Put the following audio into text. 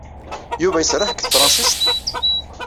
Yuba iserreḥ deg tefṛensist?